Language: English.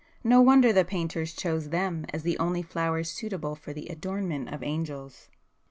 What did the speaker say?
—no wonder the painters choose them as the only flowers suitable for the adornment of angels."